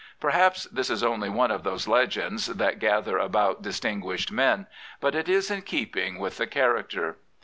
Perhaps this is only one of those legends that gather about dis tinguished men; but it is in keeping with the character.